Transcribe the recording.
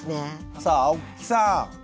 さあ青木さん。